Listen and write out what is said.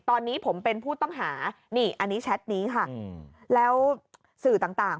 ตอนนี้ผมเป็นผู้ต้องหานี่อันนี้แชทนี้ค่ะแล้วสื่อต่าง